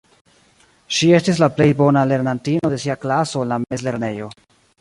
Ŝi estis la plej bona lernantino de sia klaso en la mezlernejo.